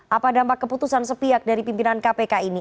apa dampak keputusan sepihak dari pimpinan kpk ini